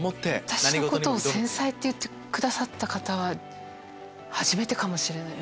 私を繊細って言ってくださった方初めてかもしれない。